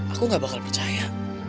aku gak bakal percaya